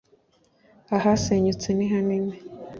Ahasenyutse nihanini.